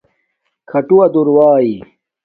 کھاٹووہ دور داݵ